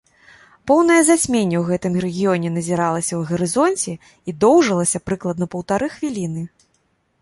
Поўнае зацьменне ў гэтым рэгіёне назіралася ў гарызонце і доўжылася прыкладна паўтары хвіліны.